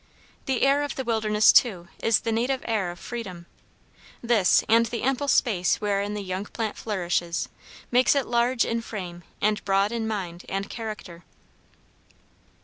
The air of the wilderness, too, is the native air of freedom: this, and the ample space wherein the young plant flourishes, makes it large in frame and broad in mind and character.